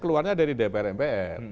keluarnya dari dpr npr